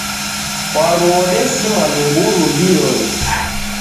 Kwaru odesimwa ni nguru mbionyi.